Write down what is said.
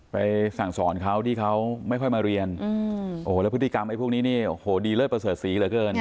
ไปสั่งสอนเขาที่เขาไม่ค่อยมาเรียนโอ้โหแล้วพฤติกรรมไอ้พวกนี้นี่โอ้โหดีเลิศประเสริฐศรีเหลือเกิน